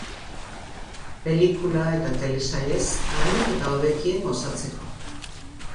Pelikula eta telesailez ahalik eta hobekien gozatzeko.